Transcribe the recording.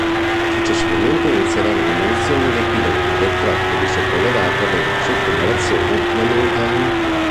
Successivamente inizierà la demolizione dei piloni e del tratto di sopraelevata della Circonvallazione Nomentana.